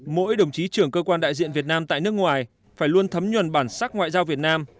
mỗi đồng chí trưởng cơ quan đại diện việt nam tại nước ngoài phải luôn thấm nhuần bản sắc ngoại giao việt nam